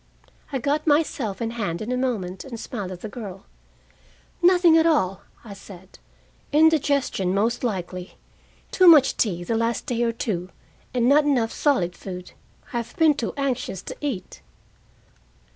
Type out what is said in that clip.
I got myself in hand in a moment and smiled at the girl. "Nothing at all," I said. "Indigestion, most likely. Too much tea the last day or two, and not enough solid food. I've been too anxious to eat."